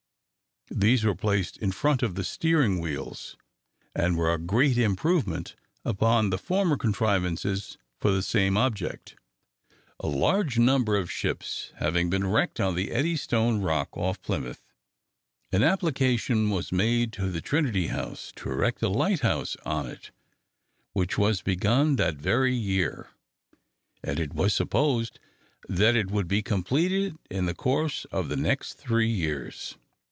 These were placed in front of the steering wheels, and were a great improvement upon the former contrivances for the same object. A large number of ships having been wrecked on the Eddystone Rock, off Plymouth, an application was made to the Trinity House to erect a lighthouse on it, which was begun that very year, and it was supposed that it would be completed in the course of the next three years.